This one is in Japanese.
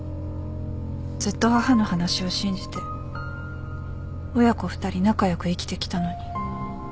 ずっと母の話を信じて親子２人仲良く生きてきたのに。